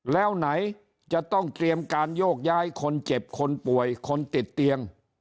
แล้วไหนจะต้องเตรียมการโยกย้ายคนเจ็บคนป่วยคนติดเตียง